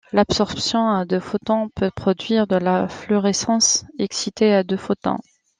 L'absorption à deux photons peut produire de la fluorescence excitée à deux photons.